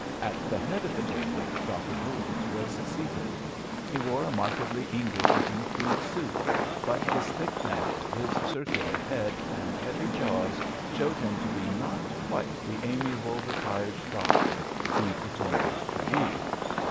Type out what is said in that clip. At the head of the table Doctor "Voules" was seated. He wore a markedly English looking tweed suit, but his thick neck, his circular head, and heavy jaws showed him to be not quite the amiable retired doctor he pretended to be.